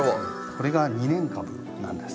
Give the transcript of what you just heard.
これが２年株なんです。